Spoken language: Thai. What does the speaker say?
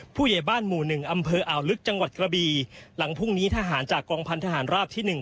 ผู้ใหญ่บ้านหมู่หนึ่งอำเภออ่าวลึกจังหวัดกระบีหลังพรุ่งนี้ทหารจากกองพันธหารราบที่หนึ่ง